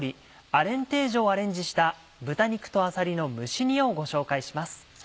アレンテージョをアレンジした「豚肉とあさりの蒸し煮」をご紹介します。